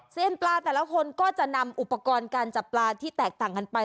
ปลาแต่ละคนก็จะนำอุปกรณ์การจับปลาที่แตกต่างกันไป